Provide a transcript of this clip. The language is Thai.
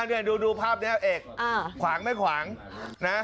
อันนี้ดูภาพเนี่ยเอกขวางไม่ขวางนะ